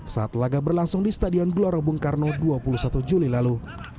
saat laga berlangsung di stadion gelora bung karno dua puluh satu juli lalu